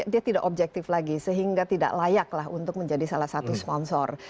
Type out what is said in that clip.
dia tidak objektif lagi sehingga tidak layaklah untuk menjadi salah satu sponsor